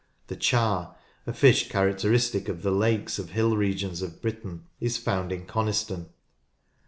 The char, a fish characteristic of the lakes of hill regions of Britain, is found in Coniston.